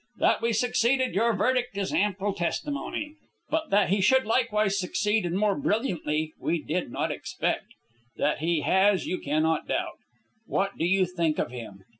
That we succeeded, your verdict is ample testimony. But that he should likewise succeed, and more brilliantly, we did not expect. That he has, you cannot doubt. What do you think of him?